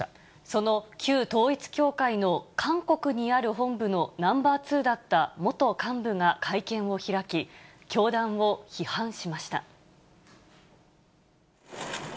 その旧統一教会の韓国にある本部のナンバー２だった元幹部が会見を開き、教団を批判しました。